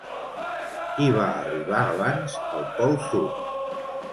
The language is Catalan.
¿Qui va arribar abans al Pol Sud?